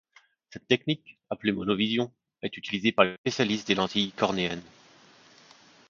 Cette technique, appelée monovision, est utilisée par les spécialistes des lentilles cornéennes.